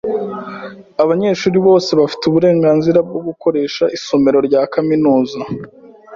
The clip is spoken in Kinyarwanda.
Abanyeshuri bose bafite uburenganzira bwo gukoresha isomero rya kaminuza.